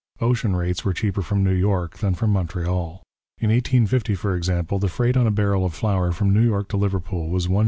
Ocean rates were cheaper from New York than from Montreal; in 1850, for example, the freight on a barrel of flour from New York to Liverpool was 1s.